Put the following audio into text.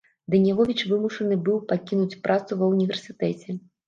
Даніловіч вымушаны быў пакінуць працу ва універсітэце.